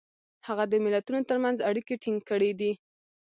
هغه د ملتونو ترمنځ اړیکې ټینګ کړي دي.